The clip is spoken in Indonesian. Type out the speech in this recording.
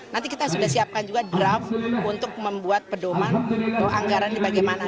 nanti kita sudah siapkan juga draft untuk membuat pedoman bahwa anggaran ini bagaimana